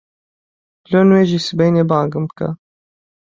لۆ نوێژی سبەینێ بانگم بکە.